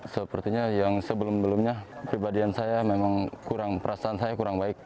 sepertinya yang sebelum sebelumnya pribadian saya memang kurang perasaan saya kurang baik